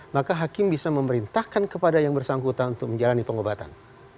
maka hakim bisa memerintahkan kepada yang bersangkutan untuk menjalani pengobatan